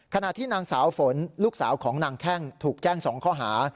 ขณะที่นางสาวฝนลูกสาวของนางแข้งถูกแจ้ง๒ข้อหา